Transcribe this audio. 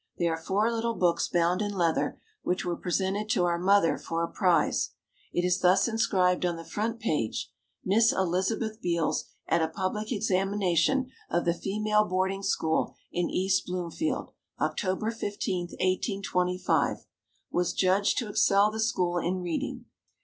They are four little books bound in leather, which were presented to our mother for a prize. It is thus inscribed on the front page, "Miss Elizabeth Beals at a public examination of the Female Boarding School in East Bloomfield, October 15, 1825, was judged to excel the school in Reading.